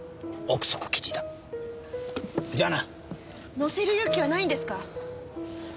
載せる勇気はないんですか？